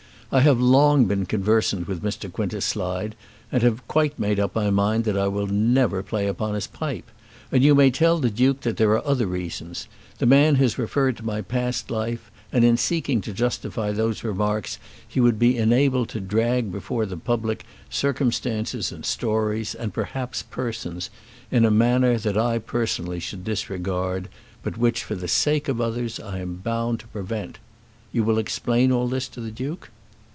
I have long been conversant with Mr. Quintus Slide, and have quite made up my mind that I will never play upon his pipe. And you may tell the Duke that there are other reasons. The man has referred to my past life, and in seeking to justify those remarks he would be enabled to drag before the public circumstances and stories, and perhaps persons, in a manner that I personally should disregard, but which, for the sake of others, I am bound to prevent. You will explain all this to the Duke?"